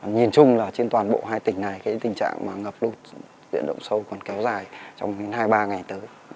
nhìn chung là trên toàn bộ hai tỉnh này tình trạng mà ngập lụt diện động sâu còn kéo dài trong hai ba ngày tới